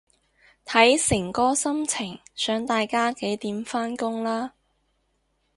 睇誠哥心情想大家幾點返工啦